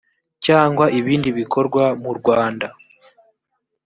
cyangwa ibindi bikorwa mu rwanda